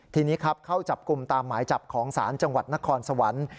ทีนี้ครับเข้าจับกลุ่มตามหมายจับของศาลจังหวัดนครสวรรค์